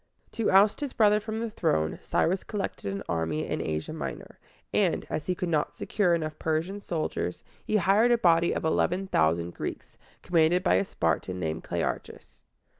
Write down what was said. To oust his brother from the throne, Cyrus collected an army in Asia Minor; and, as he could not secure enough Persian soldiers, he hired a body of eleven thousand Greeks, commanded by a Spartan named Cle ar´chus.